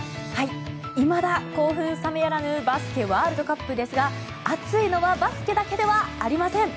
いまだ興奮冷めやらぬバスケワールドカップですが熱いのはバスケだけではありません。